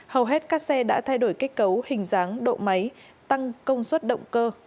hầu hết các xe đã thay đổi kết cấu hình dáng độ máy tăng công suất động cơ